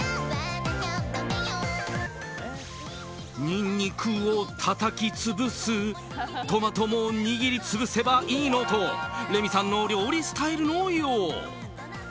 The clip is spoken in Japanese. ニンニクをたたき潰すトマトも握り潰せばいいのとレミさんの料理スタイルのよう。